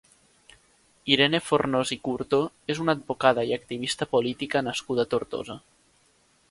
Irene Fornós i Curto és una advocada i activista política nascuda a Tortosa.